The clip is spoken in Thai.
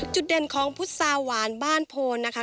เด่นของพุษาหวานบ้านโพนนะคะ